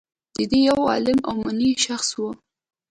دی یو عالم او منلی شخص و